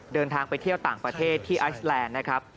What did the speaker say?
เดินทางไปเที่ยวต่างประเทศที่ไอซแลนด์นะครับ